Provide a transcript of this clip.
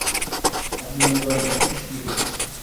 আপনি মনে করেন, এ তো ঠিকই হইতেছে।